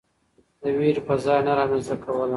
د وېرې فضا يې نه رامنځته کوله.